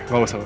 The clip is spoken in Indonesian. gak usah pak